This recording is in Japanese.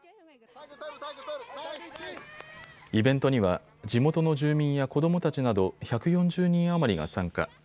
イベントには地元の住民や子どもたちなど１４０人余りが参加。